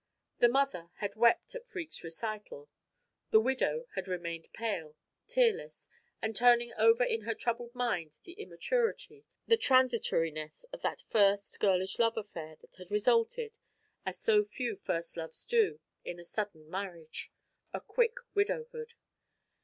The mother had wept at Freke's recital; the widow had remained pale, tearless, and turning over in her troubled mind the immaturity, the transitoriness of that first girlish love affair that had resulted, as so few first loves do, in a sudden marriage a quick widowhood.